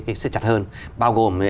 cái xếp chặt hơn bao gồm